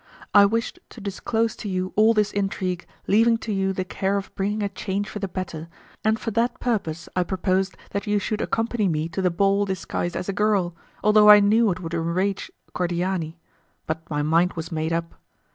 I wished to disclose to you all this intrigue, leaving to you the care of bringing a change for the better, and for that purpose I proposed that you should accompany me to the ball disguised as a girl, although I knew it would enrage Cordiani; but my mind was made up.